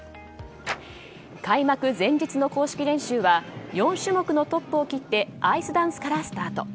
開幕前日の公式練習は４種目のトップを切ってアイスダンスからスタート。